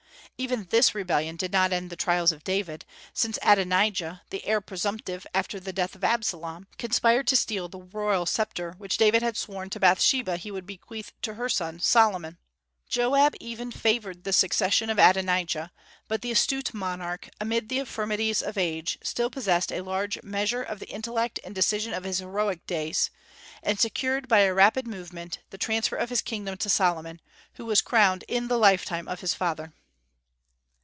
Even this rebellion did not end the trials of David, since Adonijah, the heir presumptive after the death of Absalom, conspired to steal the royal sceptre, which David had sworn to Bathsheba he would bequeath to her son Solomon. Joab even favored the succession of Adonijah; but the astute monarch, amid the infirmities of age, still possessed a large measure of the intellect and decision of his heroic days, and secured, by a rapid movement, the transfer of his kingdom to Solomon, who was crowned in the lifetime of his father.